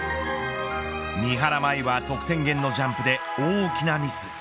三原舞依は得点源のジャンプで大きなミス。